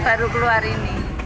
baru keluar ini